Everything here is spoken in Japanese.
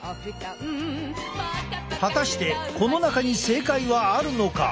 果たしてこの中に正解はあるのか？